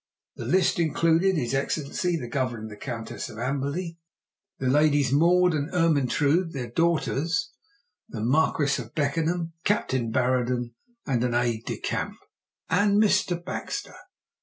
The list included His Excellency the Governor and the Countess of Amberley, the Ladies Maud and Ermyntrude, their daughters, the Marquis of Beckenham, Captain Barrenden, an aide de camp, and Mr. Baxter.